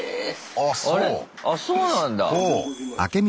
ああそうなんだ。